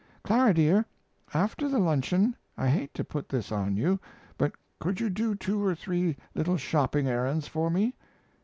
Clara, dear, after the luncheon I hate to put this on you but could you do two or three little shopping errands for me?